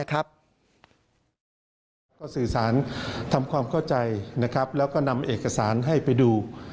ก็สื่อสารทำความเข้าใจแล้วก็นำเอกสารให้ไปดู